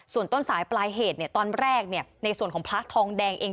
ส่วนต้นสายปลายเหตุตอนแรกในส่วนของพระทองแดงเอง